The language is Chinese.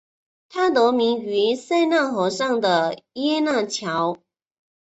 它得名于塞纳河上的耶拿桥。